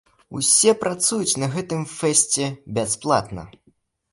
Усе працуюць на гэтым фэсце бясплатна.